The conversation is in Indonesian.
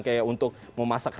kayak untuk memasak reda